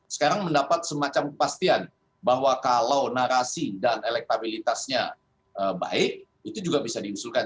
sekarang mendapat semacam kepastian bahwa kalau narasi dan elektabilitasnya baik itu juga bisa diusulkan